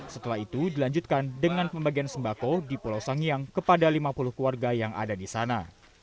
setelah itu dilanjutkan dengan pembagian sembako di pulau sangiang kepada lima puluh keluarga yang ada di sana